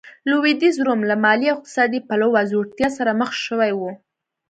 لوېدیځ روم له مالي او اقتصادي پلوه ځوړتیا سره مخ شوی و.